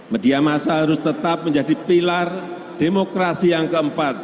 media masa harus tetap menjadi pilar demokrasi yang keempat